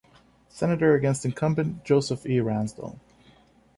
Senator against incumbent Joseph E. Ransdell.